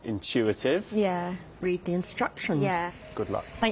はい。